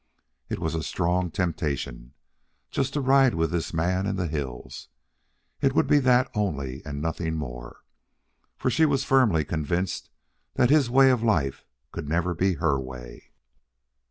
It was a strong temptation, just to ride with this man in the hills. It would be that only and nothing more, for she was firmly convinced that his way of life could never be her way.